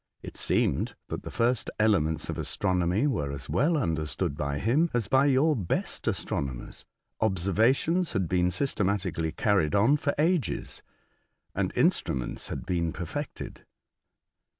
It seemed that the first elements of astronomy were as well understood by him, as by your best astronomers. Observations had been systematically carried on for ages, and instruments had been perfected.